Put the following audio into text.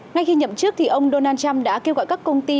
ngay khi nhậm trước thì ông donald trump đã kêu gọi các công ty